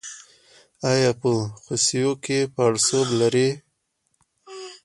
ایا په خصیو کې پړسوب لرئ؟